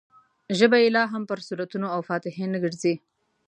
ژبه یې لا هم پر سورتونو او فاتحې نه ګرځي.